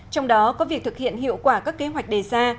trong đó có việc thực hiện hiệu quả các kế hoạch đề ra